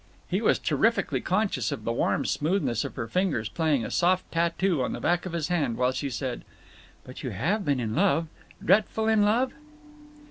He was terrifically conscious of the warm smoothness of her fingers playing a soft tattoo on the back of his hand, while she said: "But you have been in love? Drefful in love?"